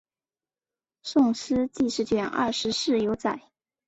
宋诗纪事卷二十四有载。